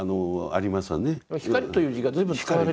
「光」という字が随分使われて。